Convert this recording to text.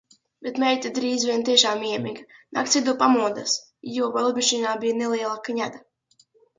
Bet meita drīz vien tiešām iemiga. Nakts vidū pamodos, jo lidmašīnā bija neliela kņada.